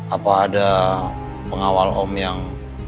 apa ada pengawal om yang